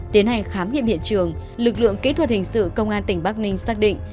tiến hành khám nghiệm hiện trường lực lượng kỹ thuật hình sự công an tỉnh bắc ninh xác định